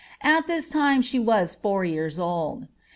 At this time she was four years old.